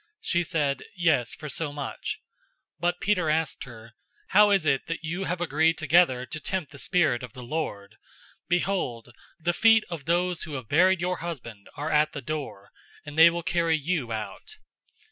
She said, "Yes, for so much." 005:009 But Peter asked her, "How is it that you have agreed together to tempt the Spirit of the Lord? Behold, the feet of those who have buried your husband are at the door, and they will carry you out."